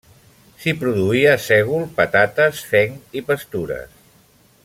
S'hi produïa sègol, patates, fenc i pastures.